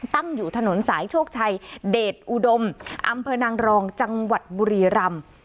ตั้งอยู่ถนนสายโชคชัยเดชอุดมอำเภอนางรองจังหวัดบุรีรำ